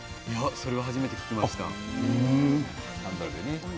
それは初めて聞きました。